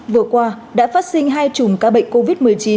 vừa qua đã phát sinh hai chùm ca bệnh covid một mươi chín